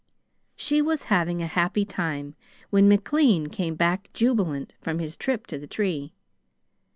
She was having a happy time, when McLean came back jubilant, from his trip to the tree.